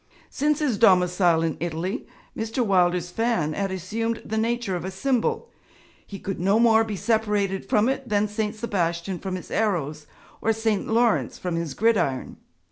Since his domicile in Italy, Mr. Wilder's fan had assumed the nature of a symbol; he could no more be separated from it than St. Sebastian from his arrows or St. Laurence from his gridiron.